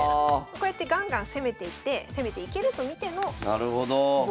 こうやってガンガン攻めていって攻めていけると見ての棒銀だったということで。